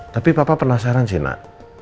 tapi papa penasaran sih nak